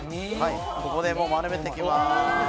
ここでもう丸めていきます。